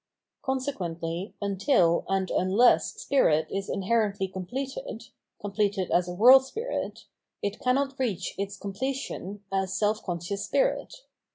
Consequently, until and unless spirit is inherently completed, completed as a world spirit, it cannot reach its completion as self conscious spirit.